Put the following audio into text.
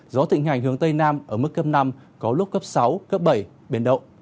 gió thịnh hành hướng tây nam ở mức cấp năm có lúc cấp sáu cấp bảy biển động